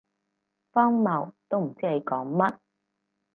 荒謬，都唔知你講乜